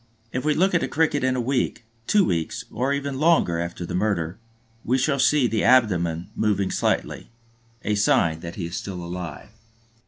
If we look at the Cricket a week, two weeks, or even longer after the murder, we shall see the abdomen moving slightly, a sign that he is still alive.